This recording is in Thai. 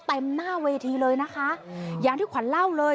หน้าเวทีเลยนะคะอย่างที่ขวัญเล่าเลย